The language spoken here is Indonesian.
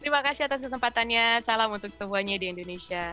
terima kasih atas kesempatannya salam untuk semuanya di indonesia